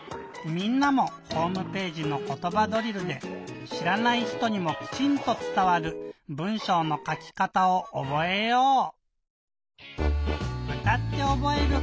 みんなもホームページの「ことばドリル」でしらない人にもきちんとつたわる文しょうのかきかたをおぼえよう！